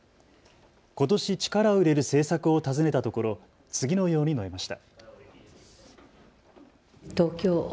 ことし力を入れる政策を尋ねたところ、次のように述べました。